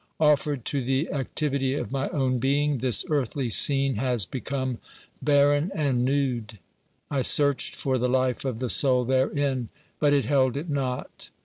Offered to the activity of my own being, this earthly scene has become barren and nude ; I searched for the life of the soul therein, but it held it not.